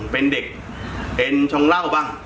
เป็นเด็กเป็นชงเหล้าบ้าง